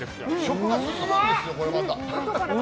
食が進むんですよ。